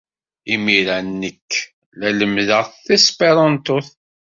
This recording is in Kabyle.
Imir-a, nekk la lemmdeɣ tesperantot.